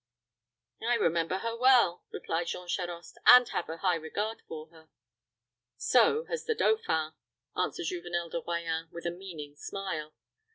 "I remember her well," replied Jean Charost, "and have a high regard for her." "So has the dauphin," answered Juvenel de Royans, with a meaning smile.